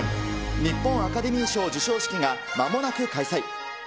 日本アカデミー賞授賞式がまもなく開催。